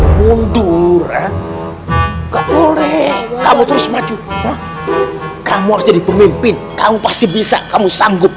mundur ke boleh kamu terus maju kamu jadi pemimpin kamu pasti bisa kamu sanggup